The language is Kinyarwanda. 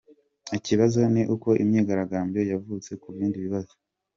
Ikibazo ni uko imyigaragambyo yavutse ku bindi bibazo.